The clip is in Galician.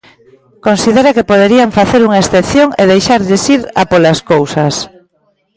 Considera que poderían facer unha excepción e deixarlles ir a polas cousas.